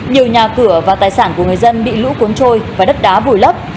nhiều nhà cửa và tài sản của người dân bị lũ cuốn trôi và đất đá vùi lấp